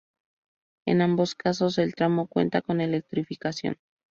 En ambos casos el tramo cuenta con electrificación.